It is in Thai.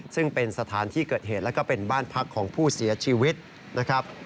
ซึ่งเป็นสถานที่เกิดเหตุแล้วก็เป็นบ้านพักของผู้เสียชีวิตนะครับ